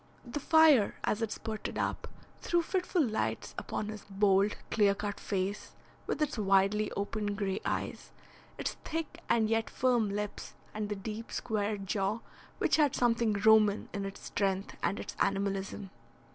The fire, as it spurted up, threw fitful lights upon his bold, clear cut face, with its widely opened grey eyes, its thick and yet firm lips, and the deep, square jaw, which had something Roman in its strength and its animalism.